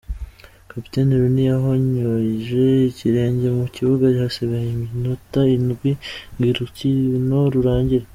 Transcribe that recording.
Capitaine Rooney yahonyoje ikirenge mu kibuga hasigaye iminuta indwi ngo urukino rurangire.